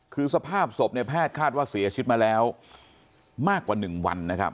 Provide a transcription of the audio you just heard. คือสภาพศพเนี่ยแพทย์คาดว่าเสียชีวิตมาแล้วมากกว่า๑วันนะครับ